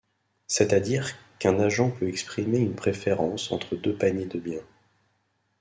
C'est-à-dire qu'un agent peut exprimer une préférence entre deux paniers de bien.